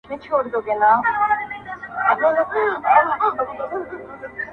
د ارتقا زمانه وه